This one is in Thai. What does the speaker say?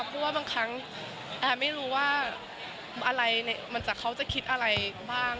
เพราะว่าบางครั้งแอไม่รู้ว่าเค้าจะคิดอะไรบ้าง